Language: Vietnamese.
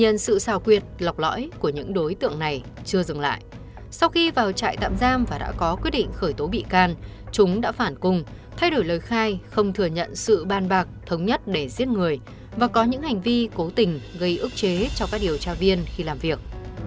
nhưng sự xào quyệt lọc lõi của những đối tượng này chưa dừng lại sau khi vào trại tạm giam và đã có quyết định khởi tố bị can chúng đã phản cung thay đổi lời khai không thừa nhận sự ban bạc thống nhất để giết người và có những hành vi cố tình gây ức chế cho các điều tra viên khi làm việc